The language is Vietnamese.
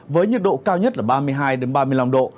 với nhiệt độ cao nhất là ba mươi hai ba mươi năm độ